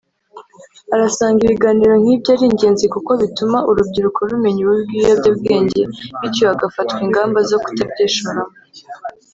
arasanga ibiganiro nk’ibyo ari ingenzi kuko bituma urubyiruko rumenya ububi bw’ibiyobyabwenge bityo hagafatwa ingamba zo kutabyishoramo